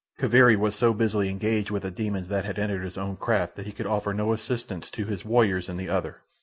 Kaviri was so busily engaged with the demons that had entered his own craft that he could offer no assistance to his warriors in the other.